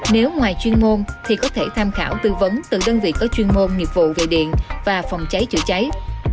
nếu ngoài chuyên môn thì có thể tham khảo tư vấn từ đơn vị có chuyên môn nghiệp vụ về điện và phòng cháy chữa cháy